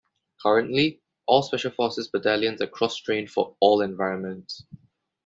Currently, all Special Forces battalions are cross trained for all environments.